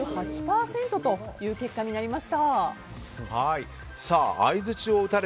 ５８％という結果になりました。